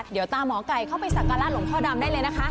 เดี๋ยวตามหมอไก่เข้าไปสักการะหลวงพ่อดำได้เลยนะคะ